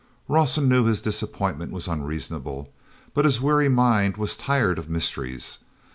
Rawson knew his disappointment was unreasonable, but his weary mind was tired of mysteries.